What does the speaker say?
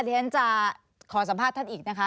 ท่านจะขอสัมภาษณ์ท่านอีกนะคะ